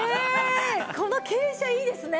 この傾斜いいですね。